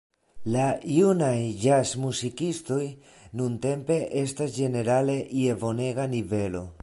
La junaj ĵazmuzikistoj nuntempe estas ĝenerale je bonega nivelo.